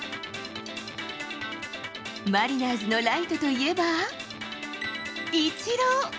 マリナーズのライトといえば、イチロー。